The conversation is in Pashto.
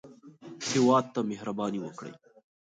هېواد ته مهرباني وکړئ